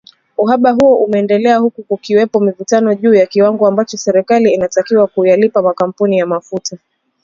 Uhaba huo umeendelea huku kukiwepo mivutano juu ya kiwango ambacho serikali inatakiwa kuyalipa makampuni ya mafuta.